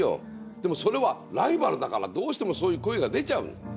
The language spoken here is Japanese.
でもそれはライバルだからどうしてもそういう声が出ちゃうの。